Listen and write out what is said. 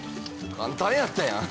簡単やったやん！